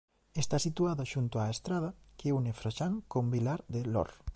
Está situado xunto á estrada que une Froxán con Vilar de Lor.